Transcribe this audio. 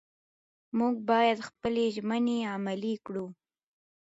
موږ باید خپلې ژمنې عملي کړو